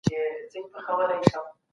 په روزنیزو ورکشاپونو کې عملي کارونه کېږي.